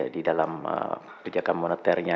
di dalam kebijakan moneternya